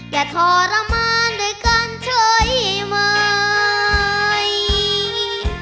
อย่าทรมานด้วยกันใช่ไหม